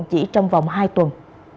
chỉ trong vòng hai tuần